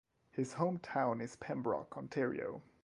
His hometown is Pembroke, Ontario.